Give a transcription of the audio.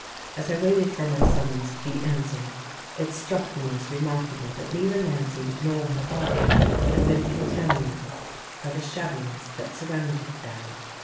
As I waited for my summons to be answered it struck me as remarkable that neither Nancy nor her father had been contaminated by the shabbiness that surrounded them.